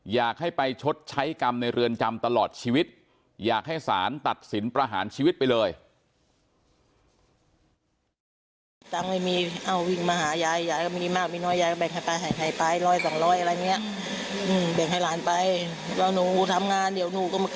อยากให้ไปชดใช้กรรมในเรือนจำตลอดชีวิตอยากให้สารตัดสินประหารชีวิตไปเลย